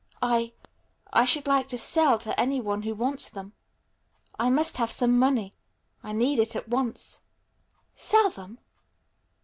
"I I should like to sell them to any one who wants them. I must have some money. I need it at once." "Sell them?"